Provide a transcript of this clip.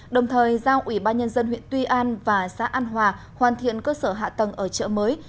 đồng thời giao ủy ban nhân dân huyện tuy an và xã an hòa hoàn thiện cơ sở hạ tầng ở chợ mới